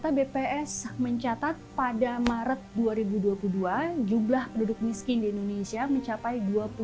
dari bps mencatat pada maret dua ribu dua puluh dua jumlah penduduk miskin di indonesia mencapai dua puluh enam